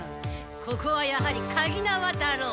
ここはやはりかぎ縄だろう。